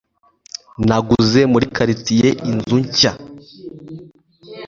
Naguze muri quartier inzu nshya